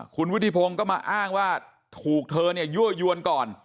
คุณวุฒิพงศ์ก็มาอ้างว่าถูกเธอเนี่ยยั่วยวนก่อน